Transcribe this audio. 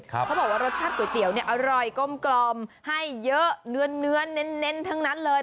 เขาบอกว่ารสชาติก๋วยเตี๋ยวเนี่ยอร่อยกลมให้เยอะเนื้อเน้นทั้งนั้นเลย